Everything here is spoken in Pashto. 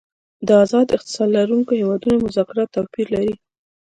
د آزاد اقتصاد لرونکو هیوادونو مذاکرات توپیر لري